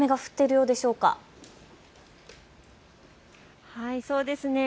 そうですね。